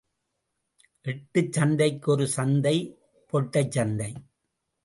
எட்டுச் சந்தைக்கு ஒரு சந்தை பொட்டைச் சந்தை.